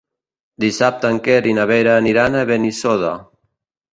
Dissabte en Quer i na Vera aniran a Benissoda.